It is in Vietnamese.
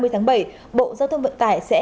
hai mươi tháng bảy bộ giao thông vận tải sẽ